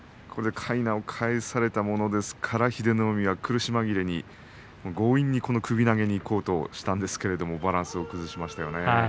かいなを返されたものですから英乃海は苦し紛れに強引に首投げにいったんですけどバランスを崩しましたね。